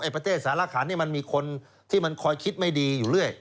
ประเทศสารขันนี่มันมีคนที่มันคอยคิดไม่ดีอยู่เรื่อย